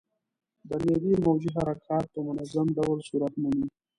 د معدې موجې حرکات په منظم ډول صورت مومي.